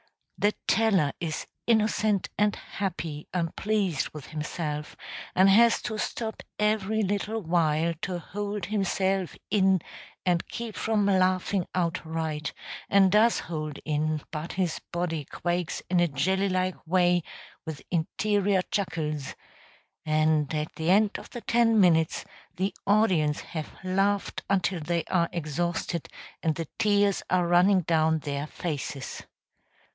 The teller is innocent and happy and pleased with himself, and has to stop every little while to hold himself in and keep from laughing outright; and does hold in, but his body quakes in a jelly like way with interior chuckles; and at the end of the ten minutes the audience have laughed until they are exhausted, and the tears are running down their faces.